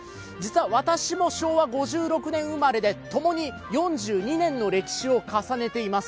私も昭和５６年生まれでともに４２年の歴史を重ねています。